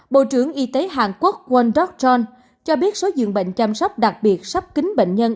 bộ trưởng y tế hàn quốc won dok chon cho biết số dường bệnh chăm sóc đặc biệt sắp kính bệnh nhân